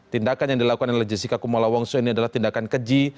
tindakan yang dilakukan oleh jessica kumala wongso ini adalah tindakan keji